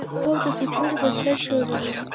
خوب د فکرونو بنسټ جوړوي